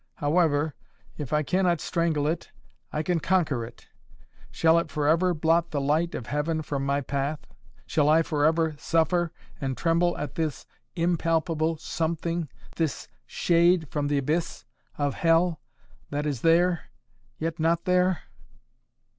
However, if I cannot strangle it, I can conquer it! Shall it forever blot the light of heaven from my path? Shall I forever suffer and tremble at this impalpable something this shade from the abyss of hell that is there yet not there?"